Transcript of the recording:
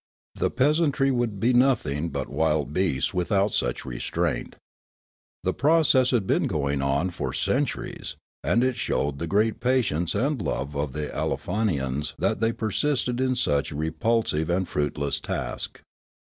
The peasantry would be nothing but wild beasts without such restraint. The process had been going on for centuries, and it showed the great patience and love of the Aleofanians that they persisted in such a repulsive and fruitless task.